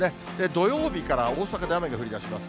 土曜日から大阪で雨が降りだします。